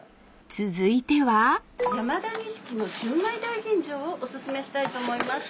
［続いては］山田錦の純米大吟醸をお薦めしたいと思います。